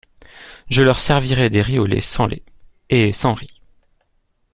Je leur servirai des riz au lait sans lait… et sans riz !…